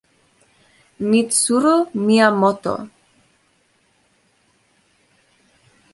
Mitsuru Miyamoto